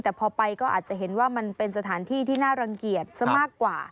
แต่พอไปก็อาจจะเห็นว่ามันเป็นสถานที่ที่น่ารังเกียจซะมากกว่า